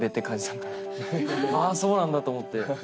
あそうなんだと思って。